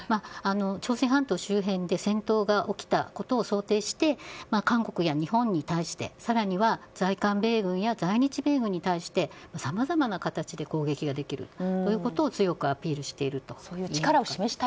朝鮮半島周辺で戦闘が起きたことを想定して韓国や日本に対して在韓米軍や在日米軍に対してさまざまな形で攻撃ができるということを強くアピールしていると。